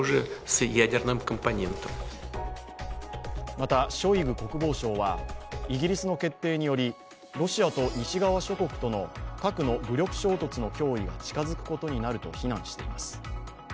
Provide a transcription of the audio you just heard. また、ショイグ国防相はイギリスの決定によりロシアと西側諸国との核の武力衝突の脅威が近づくことになると非難しています。